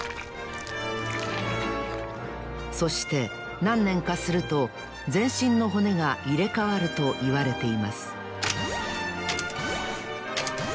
そしてなんねんかすると全身の骨がいれかわるといわれています